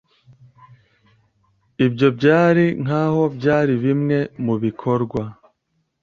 Ibyo byari, nkaho byari bimwe mubikorwa.